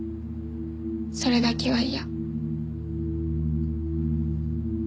それだけは嫌。